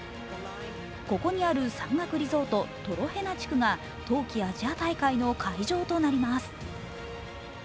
ここにある山岳リゾート・トロヘナ地区が冬季アジア大会の会場となります。